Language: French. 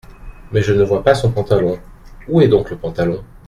Mais je ne vois pas son pantalon !… où est donc le pantalon ?…